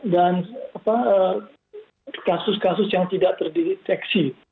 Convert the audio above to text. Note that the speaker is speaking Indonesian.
dan kasus kasus yang tidak terinfeksi